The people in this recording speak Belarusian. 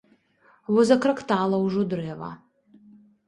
Во закрактала ўжо дрэва.